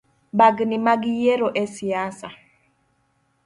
Bagni mag yiero esiasa